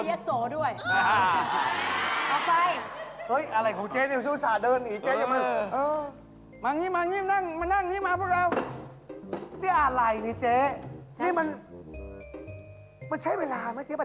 เออบ้าอำนาจบ้าเย็ดสอง